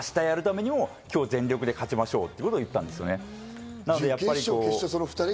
なので明日やるためにも今日、全力で勝ちましょうということを言ったんですね。